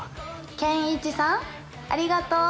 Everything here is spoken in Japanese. ケンイチさんありがとう！やった！